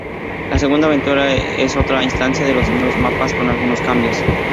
La segunda aventura es otra instancia de los mismos mapas con algunos cambios.